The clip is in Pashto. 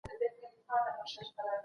ايا تاسي حل لاره لرئ؟